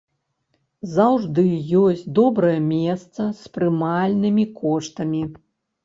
Заўжды ёсць добрае месца з прымальнымі коштамі.